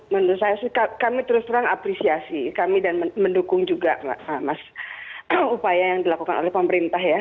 menurut saya sih kami terus terang apresiasi kami dan mendukung juga mas upaya yang dilakukan oleh pemerintah ya